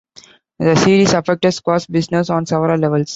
The series affected Square's business on several levels.